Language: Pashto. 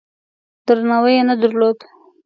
درناوی یې نه درلود.